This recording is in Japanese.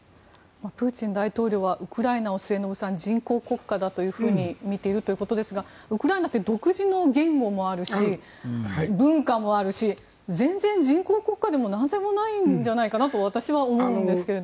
プーチン大統領はウクライナを人工国家だと見ているということですがウクライナって独自の言語もあるし文化もあるし、全然人工国家でもなんでもないんじゃないかなと私は思うんですけれども。